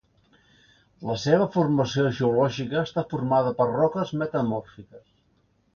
La seva formació geològica està formada per roques metamòrfiques.